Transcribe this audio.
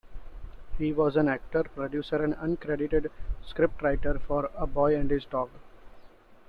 He was an actor, producer, and uncredited scriptwriter for "A Boy and His Dog".